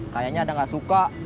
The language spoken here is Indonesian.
kayaknya ada gak suka